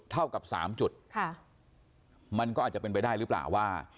เท่ากับ๓จุดมันก็อาจจะเป็นไปได้หรือเปล่าว่า